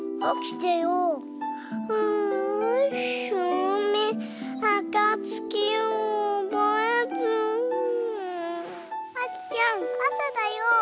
おきてよ。